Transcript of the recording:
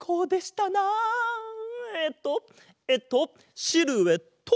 えっとえっとシルエット！